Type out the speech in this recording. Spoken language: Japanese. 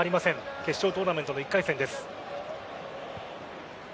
決勝トーナメントの１回戦です。